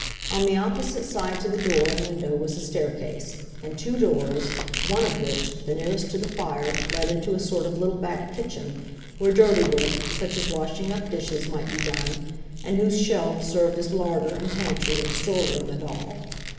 On the opposite side to the door and window was the staircase, and two doors; one of which (the nearest to the fire) led into a sort of little back kitchen, where dirty work, such as washing up dishes, might be done, and whose shelves served as larder, and pantry, and storeroom, and all.